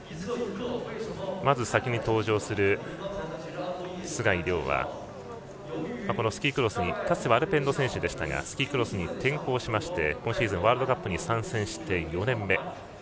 まず先に登場する須貝龍はかつてはアルペンの選手でしたがスキークロスに転向しまして今シーズン、ワールドカップに参戦して４年目。